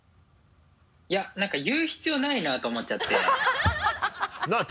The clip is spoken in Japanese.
いや何か言う必要ないなと思っちゃって。